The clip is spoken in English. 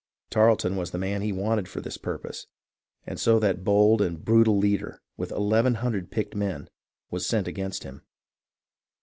Tarleton was the man he wanted for this purpose, and so that bold and brutal leader, with iioo picked men, was sent against him.